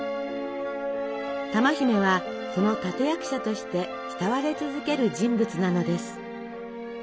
珠姫はその立て役者として慕われ続ける人物なのです。